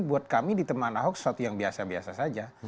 buat kami di teman ahok sesuatu yang biasa biasa saja